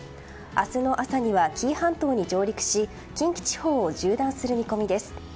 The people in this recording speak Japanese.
明日の朝には紀伊半島に上陸し近畿地方を縦断する見込みです。